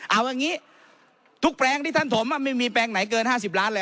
เอาอย่างนี้ทุกแปลงที่ท่านถมไม่มีแปลงไหนเกิน๕๐ล้านเลย